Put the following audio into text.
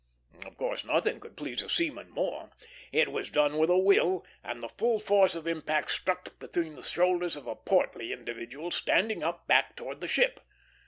Of course, nothing could please a seaman more; it was done with a will, and the full force of impact struck between the shoulders of a portly individual standing up, back towards the ship.